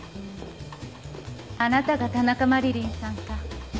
あなたが田中麻理鈴さんか。